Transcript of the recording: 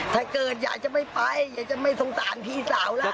ถ้าเกิดอยากจะไม่ไปอยากจะไม่สงสารพี่สาวล่ะ